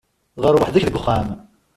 Ɣeṛ weḥd-k deg uxxam.